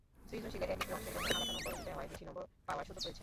সৃজনশীলে একেকটি অংশের জন্য আলাদা নম্বর দেওয়ায় বেশি নম্বর পাওয়ার সুযোগ রয়েছে।